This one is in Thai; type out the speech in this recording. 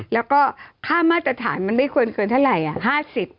แล้วก็ค่ามาตรฐานมันไม่ควรเกินเท่าไหร่